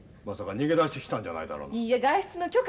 まさか逃げ出してきたんじゃないだろうな？